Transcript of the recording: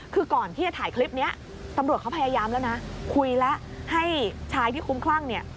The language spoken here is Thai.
คือก่อนที่จะถ่ายคลิปนี้ตำรวจเขาพยายามแล้วนะคุยแล้วให้ชายที่คุ้มคลั่งเนี่ย